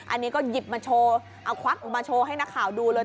อันนี้ก็หยิบมาโชว์เอาควักออกมาโชว์ให้นักข่าวดูเลย